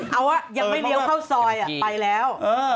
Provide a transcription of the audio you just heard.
เอาว่ายังไม่เลี้ยวเข้าซอยไปแล้ว